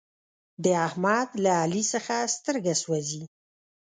د احمد له علي څخه سترګه سوزي.